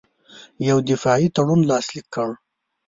یو دفاعي تړون لاسلیک کړ.